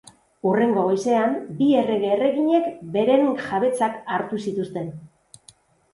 Hurrengo goizean, bi errege-erreginek beren jabetzak hartu zituzten.